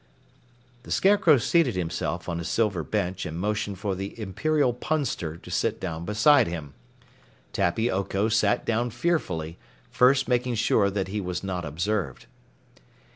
The Scarecrow seated himself on a silver bench and motioned for the Imperial Punster to sit down beside him. Tappy Oko sat down fearfully, first making sure that he was not observed.